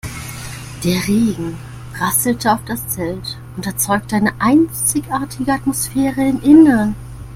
Der Regen prasselte auf das Zelt und erzeugte eine einzigartige Atmosphäre im Innern.